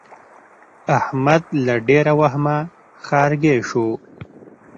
احمد له ډېره وهمه ښارګی شو.